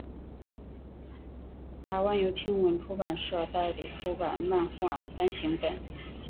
台湾由青文出版社代理出版漫画单行本。